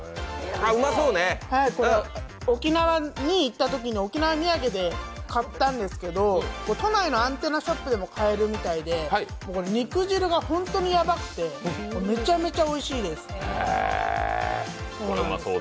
これ、沖縄に行ったときに沖縄土産で買ったんですけど都内のアンテナショップでも買えるみたいで肉汁が本当にやばくて、めちゃめちゃおいしいです。